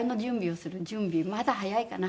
準備まだ早いかな？